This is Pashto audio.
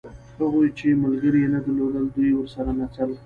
هغوی چې ملګري یې نه درلودل دوی ورسره نڅل.